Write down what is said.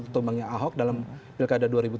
ketumbangnya ahok dalam pilkada dua ribu tujuh belas